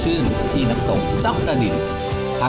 ก็เป็นบริเวณของประเทศเพื่อนบ้านอิตองจากด้านหลังผมเนี่ยนะครับ